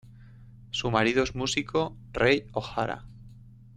Su marido es músico Rei Ohara.